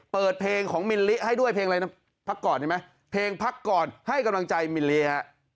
เปิดเพลงของมิลลิให้ด้วยเพลงอะไรนะพักก่อนเห็นไหมเพลงหลวดให้กำลังใจมิลลิ